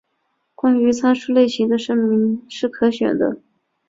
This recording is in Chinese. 关于参数类型的声明是可选的。